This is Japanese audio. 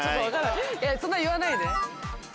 そんな言わないで。